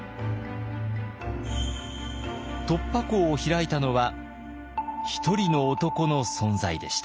突破口を開いたのは一人の男の存在でした。